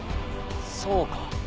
そうか。